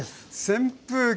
扇風機。